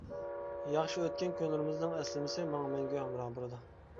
ياخشى ئۆتكەن كۈنلىرىمىزنىڭ ئەسلىمىسى ماڭا مەڭگۈ ھەمراھ بولىدۇ.